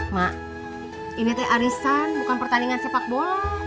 ma ini teh arisan bukan pertandingan sepak bola